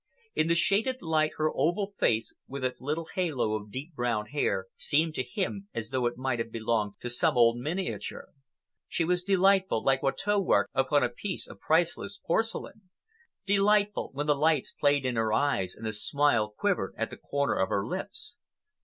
In the shaded light, her oval face with its little halo of deep brown hair seemed to him as though it might have belonged to some old miniature. She was delightful, like Watteau work upon a piece of priceless porcelain—delightful when the lights played in her eyes and the smile quivered at the corner of her lips.